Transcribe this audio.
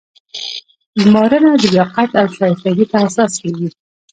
ګمارنه د لیاقت او شایستګۍ په اساس کیږي.